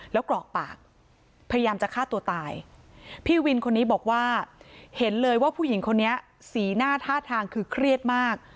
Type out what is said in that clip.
แล้วกรอกปากพยายามจะฆ่าตัวตายพี่วินคนนี้บอกว่าเห็นเลยว่าผู้หญิงคนนี้สีหน้าท่าทางคือเครียดมาก